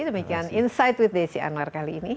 demikian insight with desi anwar kali ini